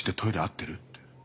って